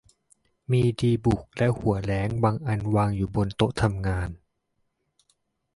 มีดีบุกและหัวแร้งบางอันวางอยู่บนโต๊ะทำงาน